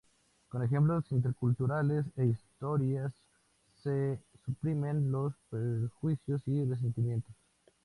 Con ejemplos interculturales e historias se suprimen los prejuicios y resentimientos.